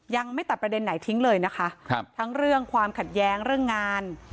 ยังไม่ตัดประเด็นไหนทิ้งเลยนะคะครับทั้งเรื่องความขัดแย้งเรื่องงาน